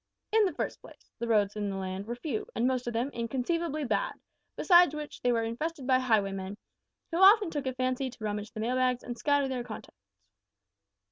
"In the first place, the roads in the land were few, and most of them inconceivably bad, besides which they were infested by highwaymen, who often took a fancy to rummage the mail bags and scatter their contents.